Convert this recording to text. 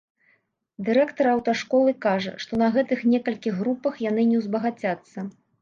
Дырэктар аўташколы кажа, што на гэтых некалькіх групах яны не ўзбагацяцца.